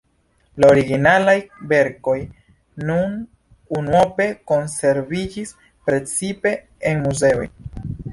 La originalaj verkoj nur unuope konserviĝis, precipe en muzeoj.